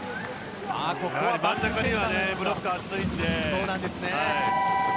真ん中にはブロックが厚いので。